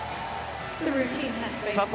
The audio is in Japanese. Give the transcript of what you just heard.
佐藤